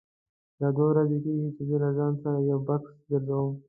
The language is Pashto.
دا دوه ورځې کېږي زه له ځان سره یو بکس ګرځوم.